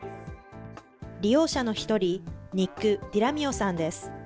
利用者の１人、ニック・ディラミオさんです。